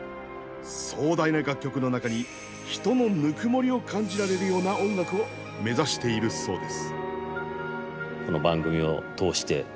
壮大な楽曲の中に人のぬくもりを感じられるような音楽を目指しているそうです。